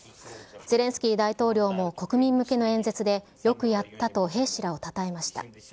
ゼレンスキー大統領も国民向けの演説で、よくやったと兵士らをたたえました。